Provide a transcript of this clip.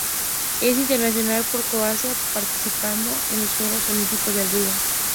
Es internacional por Croacia, participando en los Juegos Olímpicos de Río.